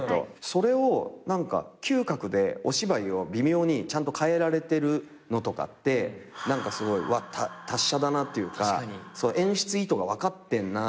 それを嗅覚でお芝居を微妙にちゃんと変えられてるのとかって何かすごい達者だなっていうか演出意図が分かってんなって。